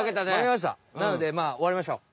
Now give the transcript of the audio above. なのでおわりましょう。